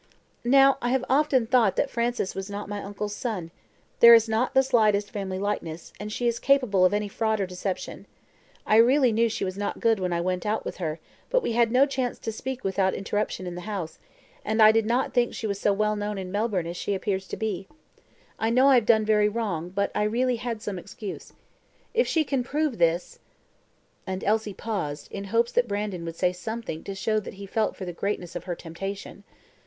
"Now, I have often thought that Francis was not my uncle's son there is not the slightest family likeness; and she is capable of any fraud or deception. I really knew she was not good when I went out with her, but we had no chance to speak without interruption in the house, and I did not think she was so well known in Melbourne as she appears to be. I know I have done very wrong, but I really had some excuse. If she can prove this " and Elsie paused, in hopes that Brandon would say something to show that he felt for the greatness of her temptation.